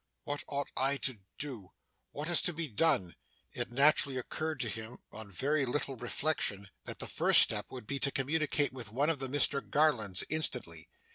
What ought I to do! what is to be done!' It naturally occurred to him on very little reflection, that the first step to take would be to communicate with one of the Mr Garlands instantly.